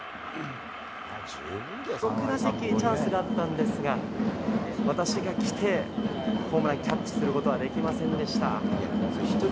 ６打席、チャンスがあったんですが、私が来て、ホームランをキャッチすることはできませんでした。